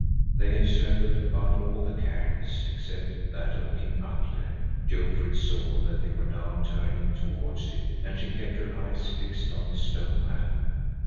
They had circled about all the cairns except that of King Atle. Jofrid saw that they were now turning towards it and she kept her eyes fixed on the stone man.